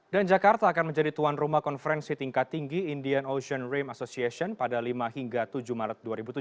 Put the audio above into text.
dan jakarta akan menjadi tuan rumah konferensi tingkat tinggi indian ocean ream association pada lima hingga tujuh maret dua ribu tujuh belas